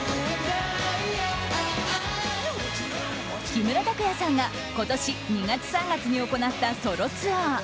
木村拓哉さんが今年２月、３月に行ったソロツアー。